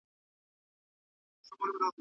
انسان باید د نورو د حقونو درناوی وکړي.